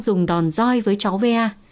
dùng đòn roi với cháu va